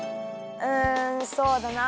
うんそうだな。